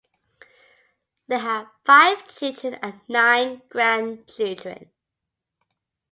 They have five children and nine grandchildren.